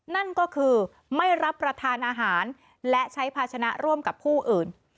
นั่นก็คือไม่รับประทานอาหารและใช้ภาชนะร่วมกับผู้อื่น